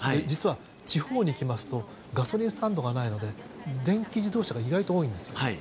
実は、地方に行きますとガソリンスタンドがないので電気自動車が意外と多いんです。